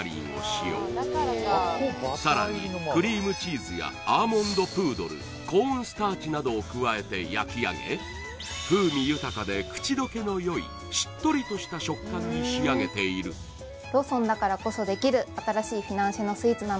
さらにクリームチーズやアーモンドプードルコーンスターチなどを加えて焼き上げ風味豊かで口どけのよいしっとりとした食感に仕上げていると思います